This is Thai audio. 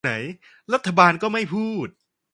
รัฐบาลก็ไม่พูด